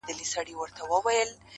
تاته پرده کي راځم تا نه بې پردې وځم,